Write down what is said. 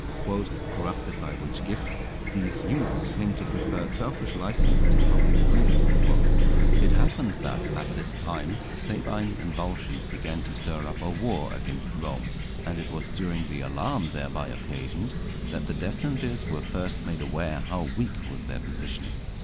"Corrupted by which gifts, these youths came to prefer selfish licence to public freedom." It happened that at this time the Sabines and Volscians began to stir up a war against Rome, and it was during the alarm thereby occasioned that the decemvirs were first made aware how weak was their position.